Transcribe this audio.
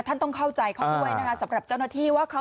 ท่านต้องเข้าใจเข้าด้วยนะครับ